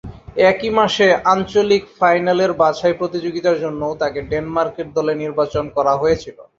একই মাসে আঞ্চলিক ফাইনালের বাছাই প্রতিযোগিতার জন্যও তাকে ডেনমার্কের দলে নির্বাচন করা হয়েছিল।